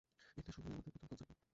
এটা শুধুই আমাদের প্রথম কনসার্ট না।